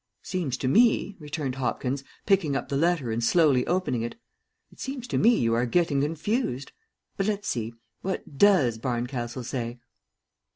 "Seems to me," returned Hopkins, picking up the letter and slowly opening it, "it seems to me you are getting confused. But let's see; what does Barncastle say?